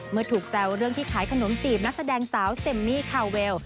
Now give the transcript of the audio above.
เมื่อถูกแซวเรื่องที่ขายขนมจีบนักแสดงสาวเซมมี่คาเวล